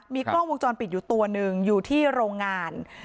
มีกล้องวงจรปิดอยู่ตัวหนึ่งอยู่ที่โรงงาน